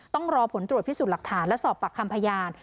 ต้องรอผลตรวจพิสูจน์หลักฐานและสอบปากคำพยาน